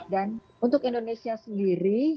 dan untuk indonesia sendiri